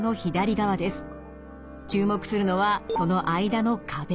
注目するのはその間の壁。